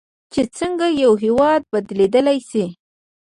چې څنګه یو هیواد بدلیدلی شي.